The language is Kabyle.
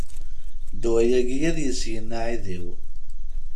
Ddwa-agi ad yesgen aεidiw.